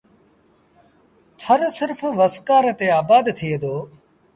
ٿر سرڦ وسڪآري تي آبآد ٿئي دو۔